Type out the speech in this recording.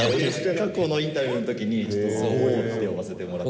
過去のインタビューのときに、剛って呼ばせてもらって。